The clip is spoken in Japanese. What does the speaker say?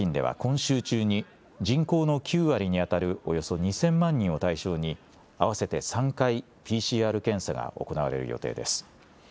北京では今週中に人口の９割にあたるおよそ２０００万人を対象に合わせて３回ＰＣＲ検査が行われる予定です。